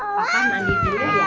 papa mandi dulu ya